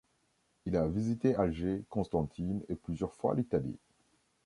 Il a visité Alger, Constantine et plusieurs fois l'Italie.